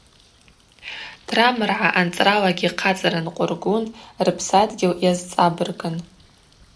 Трамргӏа анцӏралагьи хъацӏара нкъвыргун, рпсадгьыл йазцӏабыргын.